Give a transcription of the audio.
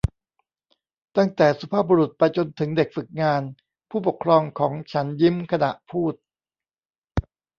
ตั้งแต่สุภาพบุรุษไปจนถึงเด็กฝึกงาน ผู้ปกครองของฉันยิ้มขณะพูด